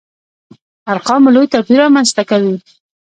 ارقامو لوی توپير رامنځته کوي.